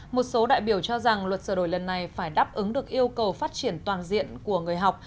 một số đại biểu cho rằng luật sửa đổi lần này phải đáp ứng được yêu cầu phát triển toàn diện của người học